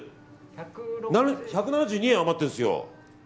１７２円余ってるんです。